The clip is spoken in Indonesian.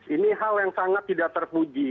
ini hal yang sangat tidak terpuji